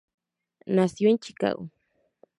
Nació en Chicago.